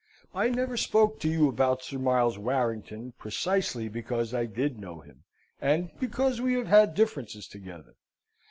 I never spoke to you about Sir Miles Warrington, precisely because I did know him, and because we have had differences together.